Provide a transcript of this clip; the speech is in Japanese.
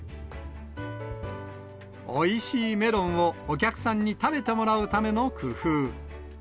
おいしいメロンをお客さんに食べてもらうための工夫。